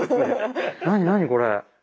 何何これ。